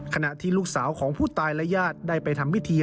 ขณะที่ลูกสาวของผู้ตายและญาติได้ไปทำพิธี